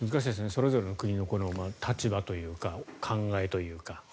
それぞれの国の立場というか考えというか。